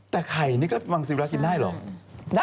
แต่ไข่นี่ก็มังสวิรัติกินได้หรือ